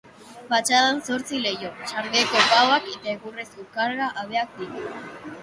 Fatxadan zortzi leiho, sarbideko baoak eta egurrezko karga-habeak ditu.